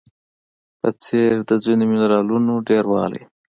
په څېر د ځینو منرالونو ډیروالی